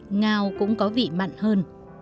do vậy ngao cũng có vị mặn hơn